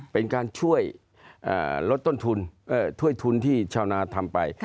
เป็นการช่วยลดต้นทุนถ้วยทุนที่ชาวนาทำไป